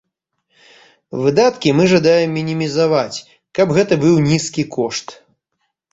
Выдаткі мы жадаем мінімізаваць, каб гэта быў нізкі кошт.